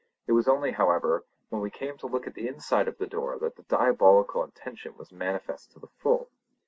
It was only, however, when we came to look at the inside of the door that the diabolical intention was manifest to the full.